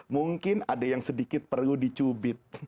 mungkin ada yang sedikit perlu dicubit